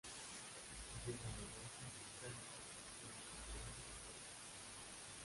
Llena de gozo, canta: "Ven, ven a mis brazos".